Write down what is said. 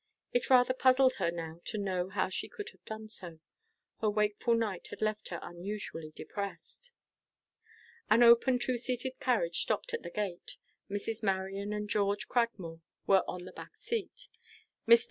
It rather puzzled her now to know how she could have done so. Her wakeful night had left her unusually depressed. An open, two seated carriage stopped at the gate. Mrs. Marion and George Cragmore were on the back seat. Mr.